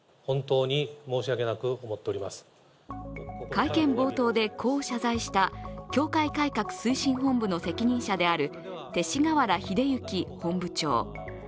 会見冒頭でこう謝罪した教会改革推進本部の責任者である勅使河原秀行本部長。